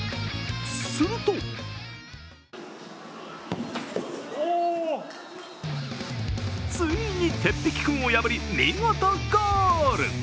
するとついに鉄壁君を破り、見事ゴール！